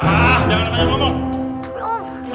ah jangan evetan ngomong